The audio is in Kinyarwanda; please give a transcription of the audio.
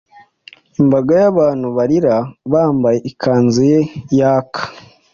imbaga y'abantu, barira bambaye ikanzu ye yaka,